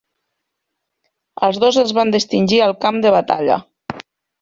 Els dos es van distingir al camp de batalla.